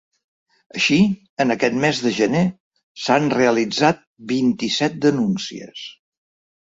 Així, en aquest mes de gener s’han realitzat vint-i-set denúncies.